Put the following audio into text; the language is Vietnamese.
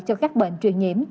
cho các bệnh truyền nhiễm